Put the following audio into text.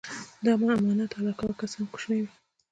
د امانت ادا کوه که څه هم کوچنی وي.